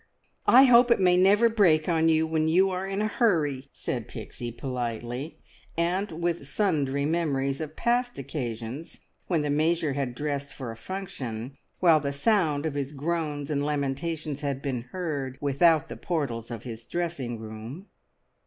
"I hope it may never break on you when you are in a hurry," said Pixie politely, and with sundry memories of past occasions when the Major had dressed for a function, while the sounds of his groans and lamentations had been heard without the portals of his dressing room.